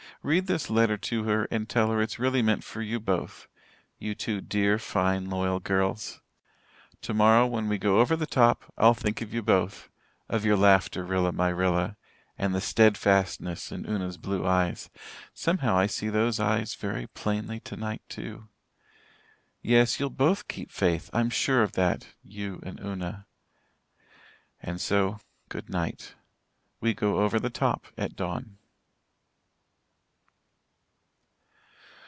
Read this letter to her and tell her it's really meant for you both you two dear, fine loyal girls. Tomorrow, when we go over the top I'll think of you both of your laughter, Rilla my Rilla, and the steadfastness in Una's blue eyes somehow I see those eyes very plainly tonight, too. Yes, you'll both keep faith I'm sure of that you and Una. And so goodnight. We go over the top at dawn."